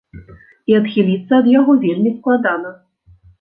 І адхіліцца ад яго вельмі складана.